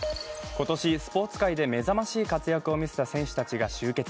今年、スポーツ界でめざましい活躍を見せた選手たちが集結。